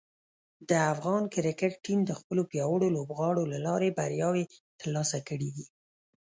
د افغان کرکټ ټیم د خپلو پیاوړو لوبغاړو له لارې بریاوې ترلاسه کړې دي.